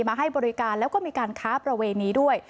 มาให้บริการแล้วก็มีการค้าประเวณีด้วย